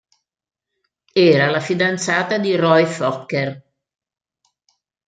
Era la fidanzata di Roy Fokker.